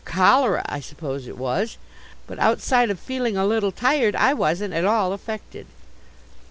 Cholera, I suppose it was; but outside of feeling a little tired, I wasn't at all affected."